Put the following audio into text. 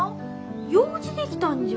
用事できたんじゃ。